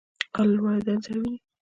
ایا له والدینو سره وینئ؟